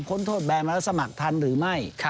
้นโทษแบนมาแล้วสมัครทันหรือไม่